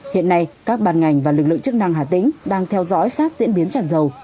hiện nay các bàn ngành và lực lượng chức năng hà tĩnh đang theo dõi sát diễn biến tràn dầu